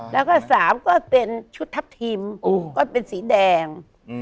แล้วก็๓ก็เป็นชุดทัพทิมก็เป็นสีแดง